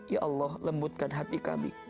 ya allah lembutkan hati kami